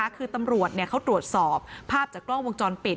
คือตำรวจเขาตรวจสอบภาพจากกล้องวงจรปิด